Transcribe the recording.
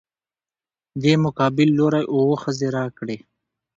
دې مقابل لورى اووه ښځې راکړي.